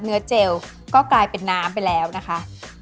เจลก็กลายเป็นน้ำไปแล้วนะคะ